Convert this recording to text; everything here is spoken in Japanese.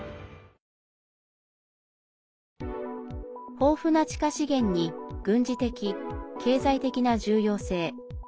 豊富な地下資源に軍事的、経済的な重要性。